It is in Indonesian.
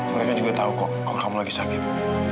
mereka juga tau kok kalau kamu lagi sakit